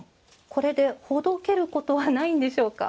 これで、ほどけることはないんでしょうか？